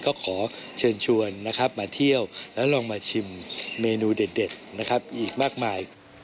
ก็ขอเชิญชวนมาเที่ยวแล้วลองมาชิมเมนูเด็ดอีกมากมาย